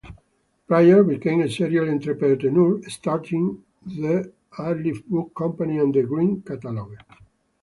Pryor became a serial entrepreneur, starting the Airlift Book Company and The Green Catalogue.